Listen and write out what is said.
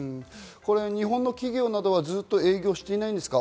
日本の企業などはずっと営業していないんですか？